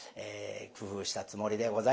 工夫したつもりでございます。